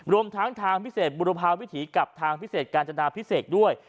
รวมทั้งทางพิเศษบุรพาวิถีกับทางพิเศษกาญจนาพิเศษด้วย